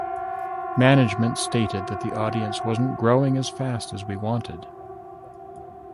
Management stated the audience wasn't growing as fast as we wanted.